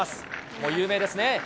もう有名ですね。